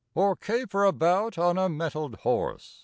Or caper about on a mettled horse!